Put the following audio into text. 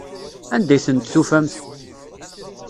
Anda i tent-tufamt?